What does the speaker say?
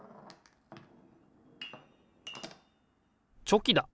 チョキだ！